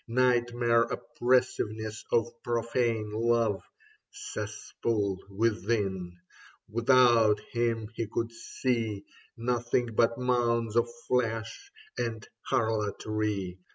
Nightmare oppressiveness of profane love. Cesspool within, and without him he could see Nothing but mounds of flesh and harlotry.